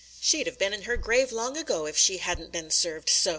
"She'd have been in her grave long ago if she hadn't been served so!"